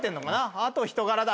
あと人柄だ。